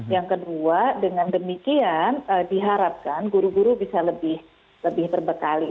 yang kedua dengan demikian diharapkan guru guru bisa lebih berbekali